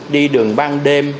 đi đường văn đêm